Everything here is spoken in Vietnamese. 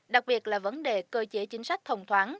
đặc biệt là vấn đề cơ chế chính sách thông thoáng